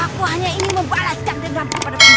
aku hanya ini membalaskan denganku kepada penjahat